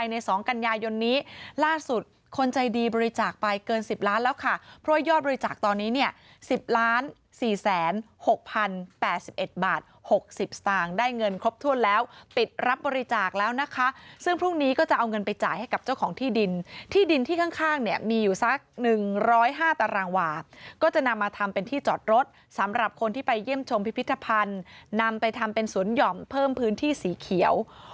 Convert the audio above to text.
ใน๒กัญญายนนี้ล่าสุดคนใจดีบริจาคไปเกิน๑๐ล้านบาทแล้วค่ะเพราะยอดบริจาคตอนนี้๑๐ล้าน๔๐๖๐๘๑บาท๖๐สตางค์ได้เงินครบถ้วนแล้วปิดรับบริจาคแล้วนะคะซึ่งพรุ่งนี้ก็จะเอาเงินไปจ่ายให้กับเจ้าของที่ดินที่ดินที่ข้างมีอยู่สัก๑๐๕ตารางวาลก็จะนำมาทำเป็นที่จอดรถสำหรับคนที่ไปเยี่ยมชมพิพิ